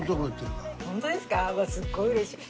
うわすっごいうれしい。